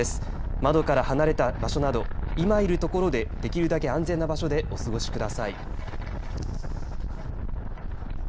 窓から離れた場所など今いるところでできるだけ安全な場所でお過ごしください。